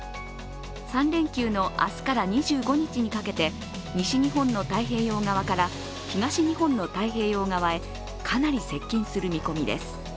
３連休の明日から２５日にかけて、西日本の太平洋側から東日本の太平洋側へかなり接近する見込みです。